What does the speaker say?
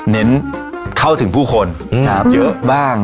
เน้นเข้าถึงผู้คนเยอะบ้าง